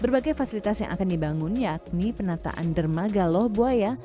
berbagai fasilitas yang akan dibangun yakni penataan dermaga loh buaya